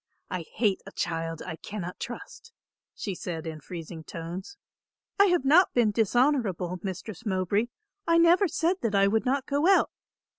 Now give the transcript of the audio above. I hate a child I cannot trust," she said in freezing tones. "I have not been dishonourable, Mistress Mowbray. I never said that I would not go out.